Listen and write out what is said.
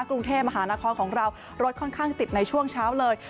กรุงเทพมหานครของเรารถค่อนข้างติดในช่วงเช้าเลย